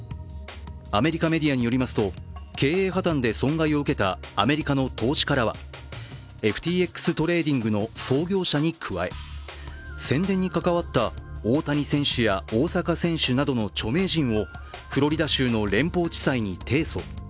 アメリカメディアによりますと経営破綻で損害を受けたアメリカの投資家らはＦＴＸトレーディングの創業者に加え宣伝に関わった大谷選手や大坂選手などの著名人をフロリダ州の連邦地裁に提訴。